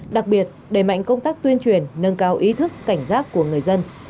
đặc biệt đẩy mạnh công tác tuyên truyền nâng cao ý thức cảnh giác của người dân